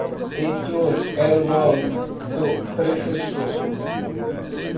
Heitor era o nome do prefessor.